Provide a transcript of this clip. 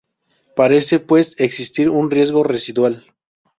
Parece pues existir un riesgo residual.